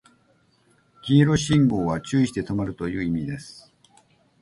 黄色信号は注意して止まるという意味です